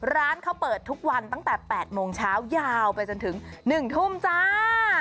ร้านเขาเปิดทุกวันตั้งแต่๘โมงเช้ายาวไปจนถึง๑ทุ่มจ้า